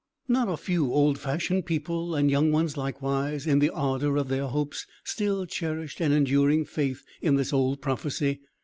Not a few old fashioned people, and young ones likewise, in the ardour of their hopes, still cherished an enduring faith in this old prophecy.